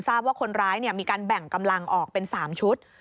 ทราบว่าคนร้ายมีการแบ่งกำลังออกเป็น๓ชุด